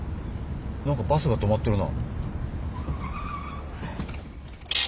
なんかバスが止まってるな。